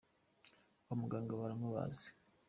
kwamuganga baramubaze